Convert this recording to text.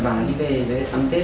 bảo đi về rồi ấy sắm tết